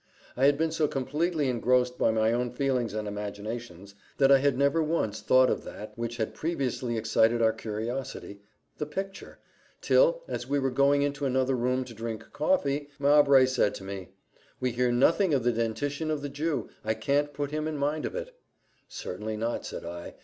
I had been so completely engrossed by my own feelings and imaginations, that I had never once thought of that which had previously excited our curiosity the picture, till, as we were going into another room to drink coffee, Mowbray said to me, "We hear nothing of the dentition of the Jew: I can't put him in mind of it." "Certainly not," said I.